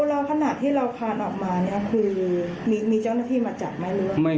แล้วขณะที่เราขาดออกมามีเจ้าหน้าที่มาจับไหม